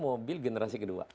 mobil generasi kedua